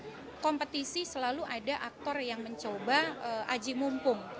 karena memang kompetisi selalu ada aktor yang mencoba ajimumpung